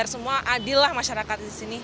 keadilan masyarakat disini